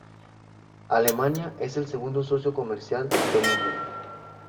Alemania es el segundo socio comercial de Libia.